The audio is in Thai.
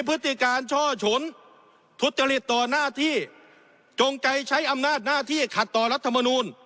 พฤติการช่อฉนทุจริตต่อหน้าที่จงใจใช้อำนาจหน้าที่ขัดต่อรัฐมนูล